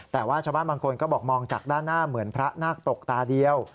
แต่ว่าชาวบ้านบางคนก็บอกมองจากด้านหน้าเหมือนพระนาคปรกตาเดียว